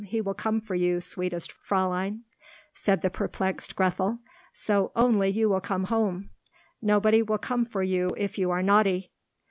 He will come for you, sweetest Fraulein," said the perplexed Grethel, "so only you will come home! Nobody will come for you if you are naughty."